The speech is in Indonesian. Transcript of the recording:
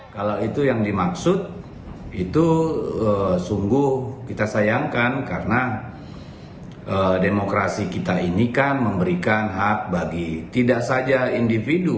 kalau itu yang dimaksud itu sungguh kita sayangkan karena demokrasi kita ini kan memberikan hak bagi tidak saja individu